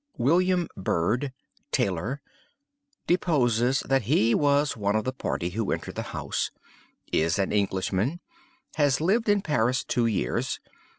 "William Bird, tailor deposes that he was one of the party who entered the house. Is an Englishman. Has lived in Paris two years.